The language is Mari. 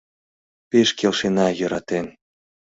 Пеш келшена йӧратен.